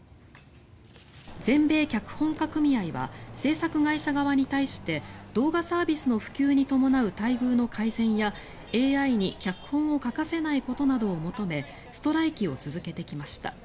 全米脚本家協会は制作会社側に対して動画サービスの普及に伴う待遇の改善やＡＩに脚本を書かせないことなどを求めストライキを続けてきました。